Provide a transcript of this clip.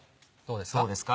どうですか？